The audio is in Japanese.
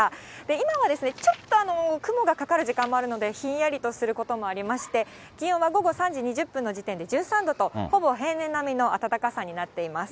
今はですね、ちょっと雲がかかる時間もあるので、ひんやりとすることもありまして、気温は午後３時２０分の時点で、１３度と、ほぼ平年並みの暖かさになっています。